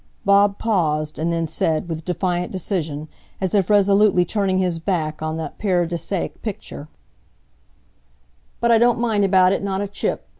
Bob paused, and then said, with defiant decision, as if resolutely turning his back on that paradisaic picture: "But I don't mind about it, not a chip!